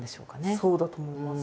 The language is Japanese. そうだと思います。